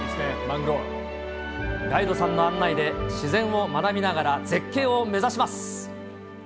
ガイドさんの案内で、自然を学びながら、絶景を目指します。